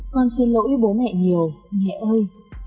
con xin lỗi bố mẹ nhiều mẹ ơi